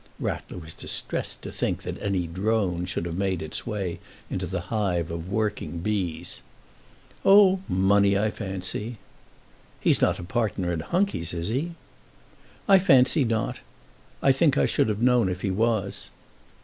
Rattler was distressed to think that any drone should have made its way into the hive of working bees. "Oh; money, I fancy." "He's not a partner in Hunky's, is he?" "I fancy not. I think I should have known if he was."